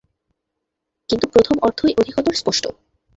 কিন্তু প্রথম অর্থই অধিকতর স্পষ্ট।